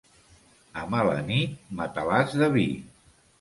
A mala nit, matalàs de vi.